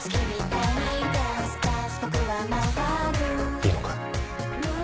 いいのか？